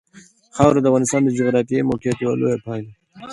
خاوره د افغانستان د جغرافیایي موقیعت یوه لویه پایله ده.